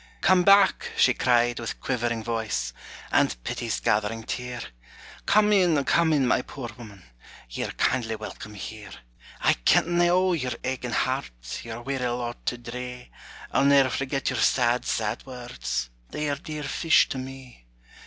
"Come back," she cried, with quivering voice, And pity's gathering tear; "Come in, come in, my poor woman, Ye 're kindly welcome here. "I kentna o' your aching heart, Your weary lot to dree; I'll ne'er forget your sad, sad words: 'They are dear fish to me!'"